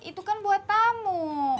itu kan buat tamu